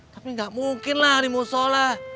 tapi nggak mungkin lah di musola